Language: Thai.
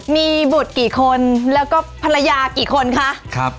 มีบุตรกี่คนแล้วก็ภรรยากี่คนคะ